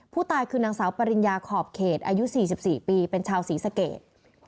ผู้ตายคือนางสาวปริญญาขอบเขตอายุ๔๔ปีเป็นชาวศรีสเกต